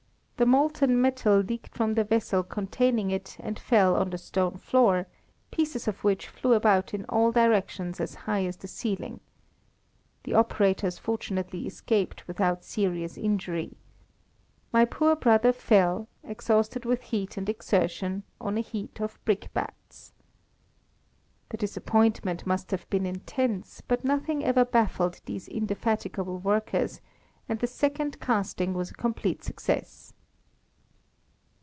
The molten metal leaked from the vessel containing it and fell on the stone floor, pieces of which flew about in all directions as high as the ceiling. The operators fortunately escaped without serious injury. "My poor brother fell, exhausted with heat and exertion, on a heap of brickbats." The disappointment must have been intense, but nothing ever baffled these indefatigable workers, and the second casting was a complete success.